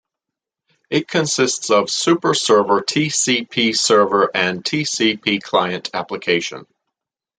It consists of super-server "tcpserver" and "tcpclient" application.